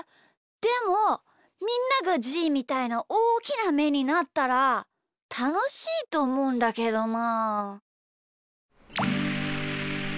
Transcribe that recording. でもみんながじーみたいなおおきなめになったらたのしいとおもうんだけどな。